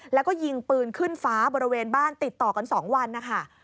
แล้วก็ยิงปืนขึ้นฟ้าบริเวณบ้านติดต่อกัน๒วันนะคะ